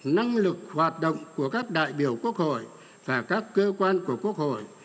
năng lực hoạt động của các đại biểu quốc hội và các cơ quan của quốc hội